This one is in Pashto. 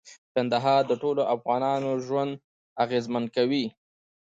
کندهار د ټولو افغانانو ژوند اغېزمن کوي.